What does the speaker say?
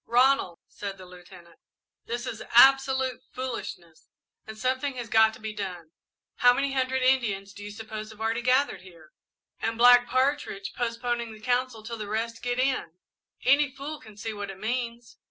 "Ronald," said the Lieutenant, "this is absolute foolishness, and something has got to be done. How many hundred Indians do you suppose have already gathered here and Black Partridge postponing the council till the rest get in any fool can see what it means!"